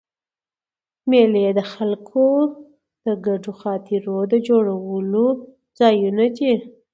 مېلې د خلکو د ګډو خاطرو د جوړولو ځایونه دي.